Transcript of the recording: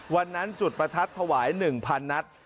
วันนั้นจุดประทัดถวาย๑๐๐นัด